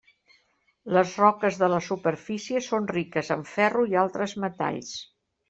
Les roques de la superfície són riques en ferro i altres metalls.